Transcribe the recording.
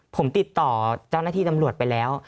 ผมติดต่อเจ้าหน้าที่ตำรวจไปแล้ว